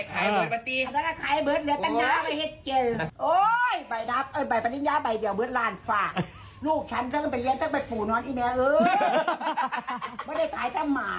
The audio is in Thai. ไม่ได้ขายท่าหมา